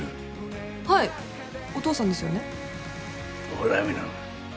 ほら見ろ。